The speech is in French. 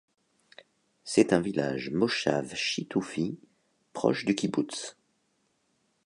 C'est un village Moshav shitufi proche du Kibboutz.